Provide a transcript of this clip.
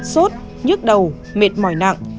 sốt nhức đầu mệt mỏi nặng